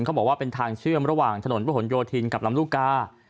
เขาบอกว่าเป็นทางเชื่อมระหว่างถนนพระหลโยธินกับลำลูกกา